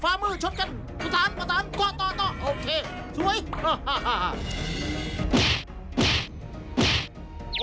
ฟ้ามือชดกันประสานประสานก็ต่อต่อโอเคสวยฮ่าฮ่าฮ่า